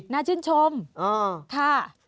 น่าชื่นชมค่ะ